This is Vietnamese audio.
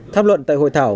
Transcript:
tham luận tại hội thảo